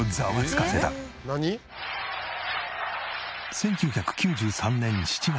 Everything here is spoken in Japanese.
１９９３年７月。